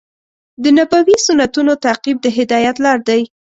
د نبوي سنتونو تعقیب د هدایت لار دی.